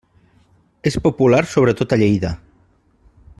És popular sobretot a Lleida.